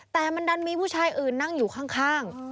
แต่มันดันมีผู้ชายอื่นนั่งอยู่ข้าง